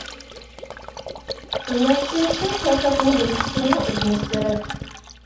دېمەكچى، شۇ كۆرسەتمىنى بىلىش ئۈچۈنمۇ ئىزدىنىش كېرەك.